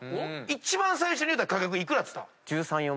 一番最初に言うた価格幾らっつった？